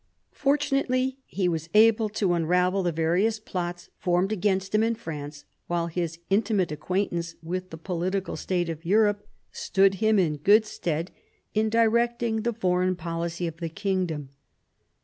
Fortunately he was able to unravel the various plots formed against him in France, while his intimate acquaintance with the political state of Europe stood him in good stead in directing the foreign policy of the kingdom.